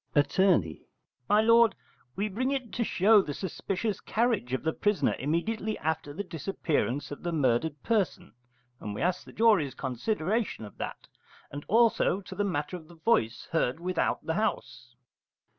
Att. My lord, we bring it to show the suspicious carriage of the prisoner immediately after the disappearance of the murdered person: and we ask the jury's consideration of that; and also to the matter of the voice heard without the house.